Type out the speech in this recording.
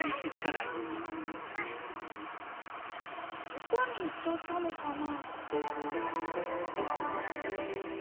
どこにいっちゃったのかな？